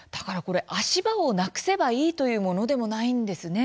足場をなくせばいいというものでもないんですね。